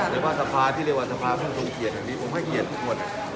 แต่ว่าสภาที่เรียกว่าสภาท่านทรงเกียรติแห่งนี้ผมให้เกียรติทุกคน